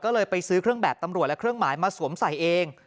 ก็เลยไปซื้อเครื่องแบบตำรวจและเครื่องหมายมาสวมใส่เอง